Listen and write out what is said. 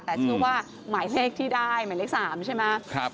แต่ชื่อว่าหมายเลขที่ได้หมายเลข๓ใช่ไหม